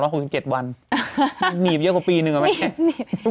นางหนีบเยอะกว่าปีนึงอ่ะไหม